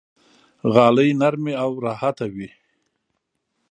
غالۍ نرمې او راحته وي.